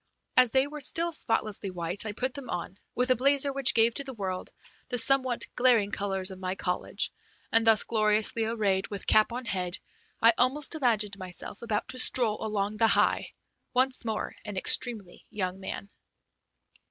As they were still spotlessly white, I put them on, with a blazer which gave to the world the somewhat glaring colors of my college, and, thus gloriously arrayed with cap on head, I almost imagined myself about to stroll along the High, once more an extremely young man.